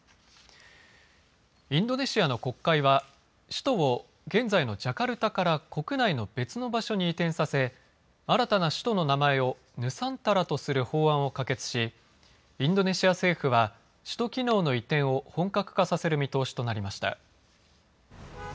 インドネシアの国会は首都を現在のジャカルタから国内の別の場所に移転させ新たな首都の名前をヌサンタラとする法案を可決しインドネシア政府は首都機能の移転を本格化させる見通しとなりました。